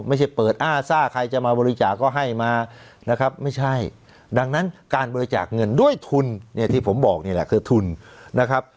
ไม่ใช่เปิดอ้าซ่าใครจะมาบริจาคก็ให้มานะครับไม่ใช่ดังนั้นการบริจาคเงินด้วยทุนเนี่ยที่ผมบอกนี่แหละคือทุนนะครับ